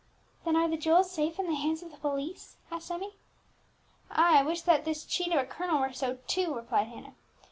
"Then are the jewels safe in the hands of the police?" asked Emmie. "Ay; I wish that this cheat of a colonel were so too," replied Hannah.